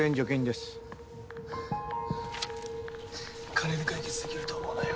金で解決できると思うなよ。